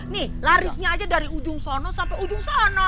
nih larisnya aja dari ujung sana sampai ujung sana